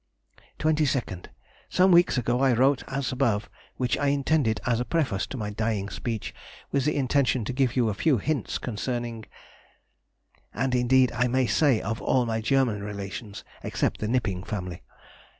22nd.—Some weeks ago I wrote as above, which I intended as a preface to my dying speech, with intention to give you a few hints concerning ——, and indeed I may say of all my German relations, except the Knipping family.